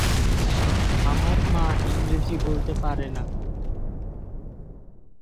আমার মা ইংরাজি বলতে পারে না।